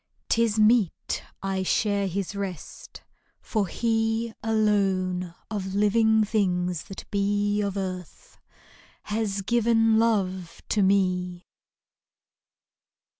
'T is meet I share his rest, for he, Alone of living things that be Of earth, has given love to me.